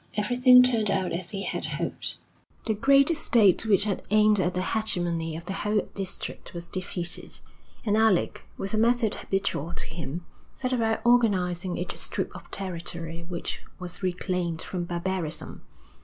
Everything turned out as he had hoped. The great state which had aimed at the hegemony of the whole district was defeated; and Alec, with the method habitual to him, set about organising each strip of territory which was reclaimed from barbarism.